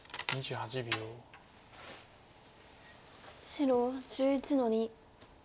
白１１の二。